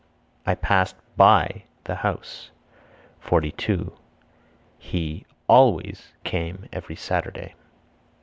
I passed (by) the house. 42. He (always) came every Sunday.